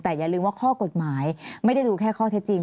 แต่อย่าลืมว่าข้อกฎหมายไม่ได้ดูแค่ข้อเท็จจริง